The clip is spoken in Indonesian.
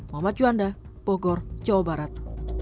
muhammad juanda bogor jawa barat